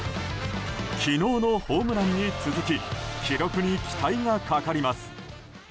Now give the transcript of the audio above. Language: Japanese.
昨日のホームランに続き記録に期待がかかります。